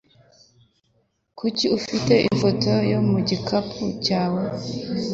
Kuki ufite ifoto ya mu gikapo cyawe?